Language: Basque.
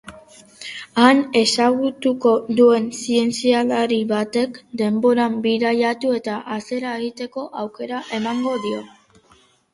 Han ezagutuko duen zientzialari batek denboran bidaiatu eta atzera egiteko aukera emango dio.